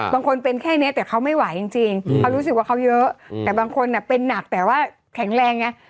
บางคนเป็นแค่นี้แต่เขาไม่ไหวจริงเขารู้สึกว่าเขาเยอะแต่บางคนเป็นหนักแต่ว่าแข็งแรงไง